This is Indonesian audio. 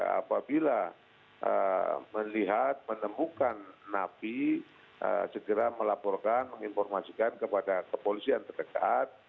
apabila melihat menemukan napi segera melaporkan menginformasikan kepada kepolisian terdekat